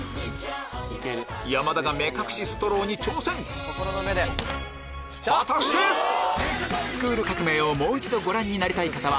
山田が目隠しストローに挑戦果たして⁉『スクール革命！』をもう一度ご覧になりたい方は